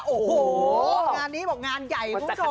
โอ้โหงานนี้บอกงานใหญ่